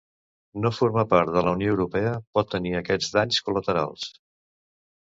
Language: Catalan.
No formar part de la Unió Europea pot tenir aquests danys col·laterals.